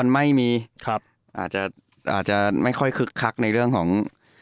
ไม่มีครับอาจจะอาจจะไม่ค่อยคึกคักในเรื่องของ